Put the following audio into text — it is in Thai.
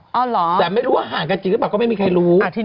อ๋อเหรอแต่ไม่รู้ว่าห่างกันจริงหรือเปล่าก็ไม่มีใครรู้